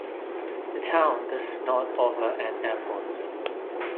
The town does not offer an airport.